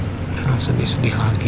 jangan sedih sedih lagi